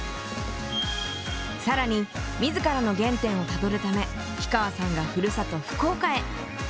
更に自らの原点をたどるため氷川さんがふるさと福岡へ。